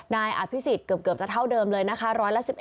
นายอภิษฎเกือบจะเท่าเดิมเลยนะคะ๑๑๑